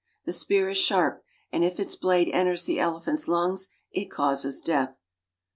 The spear is sharp, and if its blade enters the elephant's lungs, it causes death.